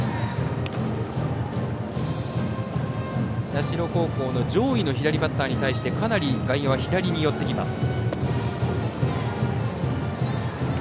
社高校の上位の左バッターに対してかなり、外野は左に寄っています。